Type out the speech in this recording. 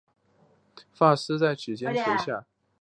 发丝在指间垂下